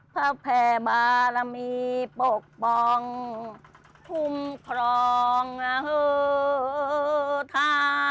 พระแพบารมีปกปองทุ่มครองเอ่อ